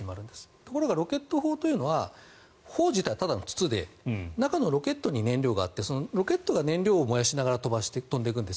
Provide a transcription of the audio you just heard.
ところがロケット砲というのは砲自体は筒で中に燃料があってロケットが燃料を飛ばしながら飛んでいくんです。